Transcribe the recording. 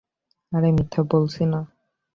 আরে মিথ্যা বলছি না।